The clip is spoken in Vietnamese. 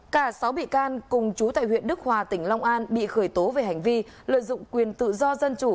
cả sáu bị can cùng chú tại huyện đức hòa tỉnh long an bị khởi tố về hành vi lợi dụng quyền tự do dân chủ